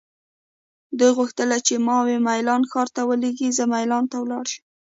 دوی غوښتل چې ما وه میلان ښار ته ولیږي، زه مېلان ته لاړ شم.